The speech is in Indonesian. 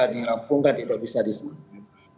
dirampungkan itu bisa disampaikan